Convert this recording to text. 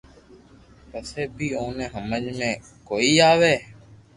پسي بي اوني ھمج مي ڪوئي آوي